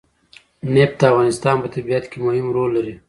نفت د افغانستان په طبیعت کې مهم رول لري.